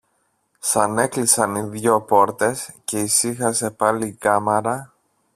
Σαν έκλεισαν οι δυο πόρτες και ησύχασε πάλι η κάμαρα